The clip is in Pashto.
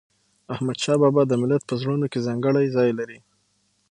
احمدشاه بابا د ملت په زړونو کې ځانګړی ځای لري.